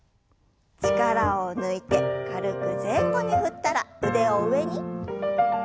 力を抜いて軽く前後に振ったら腕を上に。